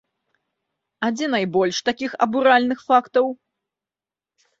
А дзе найбольш такіх абуральных фактаў?